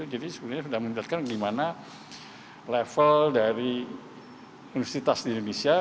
jadi sudah mendapatkan bagaimana level dari universitas di indonesia